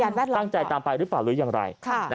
ตั้งใจตามไปหรือเปล่าหรืออย่างไร